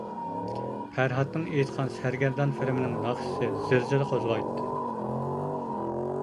پەرھاتنىڭ ئېيتقان « سەرگەردان» فىلىمىنىڭ ناخشىسى زىلزىلە قوزغايتتى.